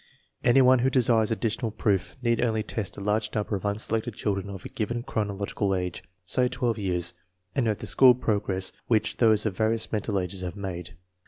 Any one who desires additional proof need only test a large number of unselected children of a given chronological age, say twelve years, and note the school progress which those of various mental ages have made.